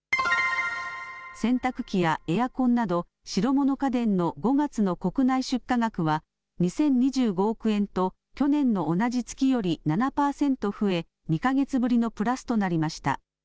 洗濯機やエアコンなど、白物家電の５月の国内出荷額は、２０２５億円と去年の同じ月より７％増え、２か月ぶりのプラスとなりました。